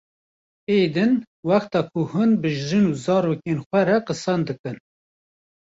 Ê din wexta ku hûn bi jin û zarokên xwe re qisan dikin